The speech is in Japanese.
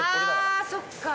あそっか！